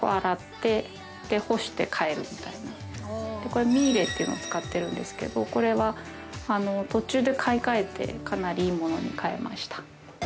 「これミーレっていうの使ってるんですけどこれは途中で買い替えてかなりいいものに替えました」